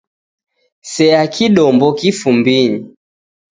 Sea kdombo kifumbunyi.